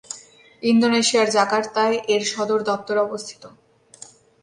ইন্দোনেশিয়ার জাকার্তায় এর সদর দপ্তর অবস্থিত।